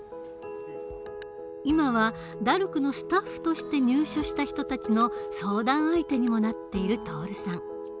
今はＤＡＲＣのスタッフとして入所した人たちの相談相手にもなっている徹さん。